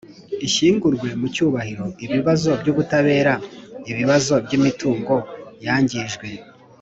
Ishyingurwe mu cyubahiro ibibazo by ubutabera ibibazo by imitungo yangijwe